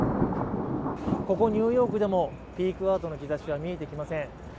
ここ、ニューヨークでもピークアウトの兆しが見えてきません。